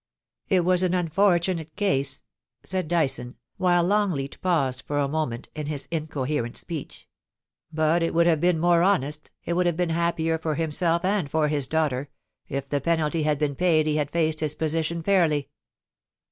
It was an unfortunate case,* said Dyson, while Longleat paused for a moment in his incoherent sp)eech ;* but it would have been more honest, it would have been happier for himself and for his daughter, if when the penalty had been paid he had faced his position fairly.'